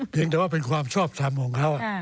ยังแต่ว่าเป็นความชอบทำของเขา